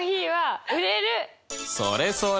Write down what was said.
それそれ！